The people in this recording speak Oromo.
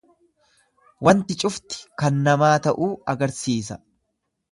Wanti cufti kan namaa ta'uu agarsiisa.